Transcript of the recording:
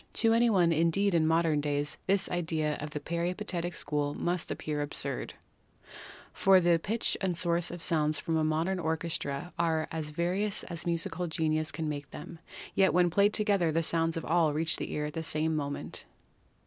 To any one indeed in modern days this idea of the peripatetic school must appear absurd, for the pitch and the source of sounds from a modern orchestra are as various as musical genius can make them, yet when played together the sounds of all reach the ear at the same moment.